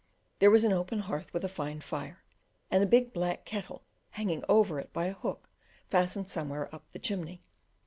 There was an open hearth with a fine fire, and a big black kettle hanging over it by a hook fastened somewhere up the chimney.